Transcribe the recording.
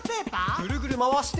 ぐるぐるまわして。